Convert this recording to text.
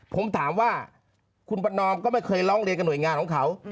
ผมถามว่าคุณประนอมก็ไม่เคยร้องเรียนกับหน่วยงานของเขา